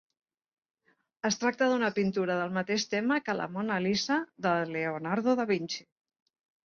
Es tracta d'una pintura del mateix tema que la Mona Lisa de Leonardo da Vinci.